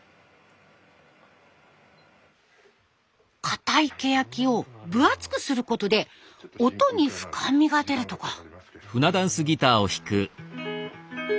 かたいケヤキを分厚くすることで音に深みが出るとか。